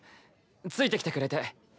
ついてきてくれて。